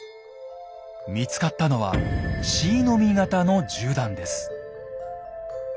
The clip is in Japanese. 見つかったのは椎の実型の銃弾です。